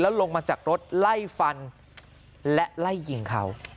ลงมาจากรถไล่ฟันและไล่ยิงเขา